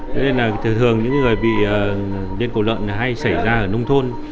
thế nên là thường những người bị liên cầu lợn hay xảy ra ở nông thôn